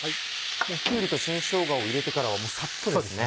きゅうりと新しょうがを入れてからはサッとですね。